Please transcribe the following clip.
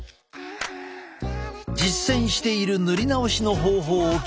実践している塗り直しの方法を聞いた。